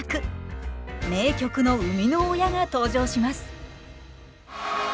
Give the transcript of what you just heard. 名曲の生みの親が登場します。